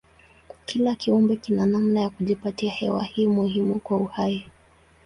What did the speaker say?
Kila kiumbe kina namna ya kujipatia hewa hii muhimu kwa uhai.